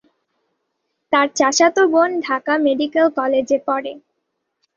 তার চাচাতো বোন ঢাকা মেডিকেল কলেজে পড়ে।